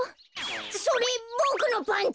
それボクのパンツ！？